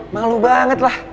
malu banget lah